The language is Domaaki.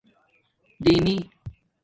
دِیمی